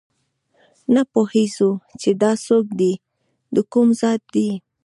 نه پوهېږو چې دا څوک دي دکوم ذات دي